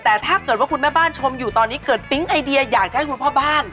แต่ถ้าเกิดว่าคุณแม่บ้านชมอยู่ตอนนี้เกิดปิ๊งไอเดียอยากจะให้คุณพ่อบ้าน